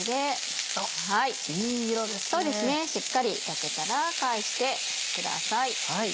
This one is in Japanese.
しっかり焼けたら返してください。